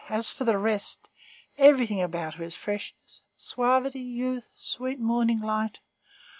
as for the rest, everything about her is freshness, suavity, youth, sweet morning light.